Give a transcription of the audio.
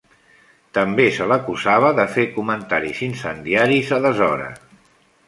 També se l'acusava de fer comentaris incendiaris a deshora.